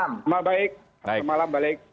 selamat malam baik selamat malam balik